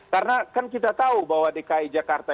karena kan kita tahu bahwa dki jakarta